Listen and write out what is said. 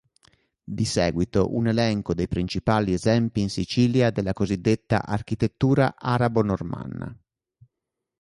Di seguito un elenco dei principali esempi in Sicilia della cosiddetta architettura arabo-normanna.